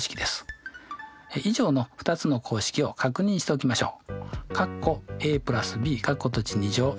以上の２つの公式を確認しておきましょう。